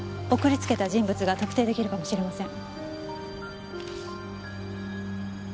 送りつけた人物が特定出来るかもしれません。